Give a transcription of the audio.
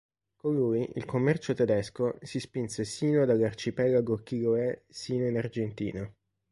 Con lui il commercio tedesco si spinse sino dall'arcipelago Chiloé sino in Argentina.